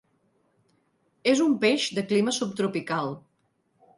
És un peix de clima subtropical.